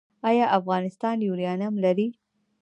آیا افغانستان یورانیم لري؟